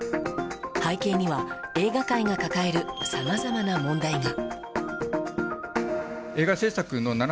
背景には、映画界が抱えるさまざまな問題が。